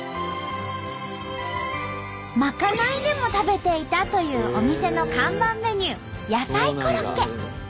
まかないでも食べていたというお店の看板メニュー野菜コロッケ。